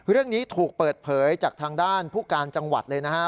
เรื่องนี้ถูกเปิดเผยจากทางด้านผู้การจังหวัดเลยนะฮะ